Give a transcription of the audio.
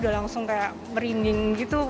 langsung kayak merinding gitu